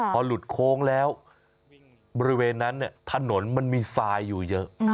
พอหลุดโค้งแล้วบริเวณนั้นถนนมันมีทรายอยู่เยอะ